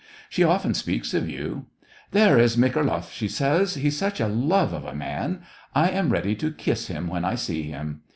She often speaks of you. * There is Mikhai'loff,' she says, * he's such a love of a man. I am ready to kiss him when I see him.